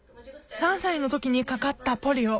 ３歳の時にかかったポリオ。